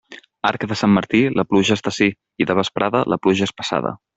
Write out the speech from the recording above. Arc de Sant Martí, la pluja està ací; i de vesprada, la pluja és passada.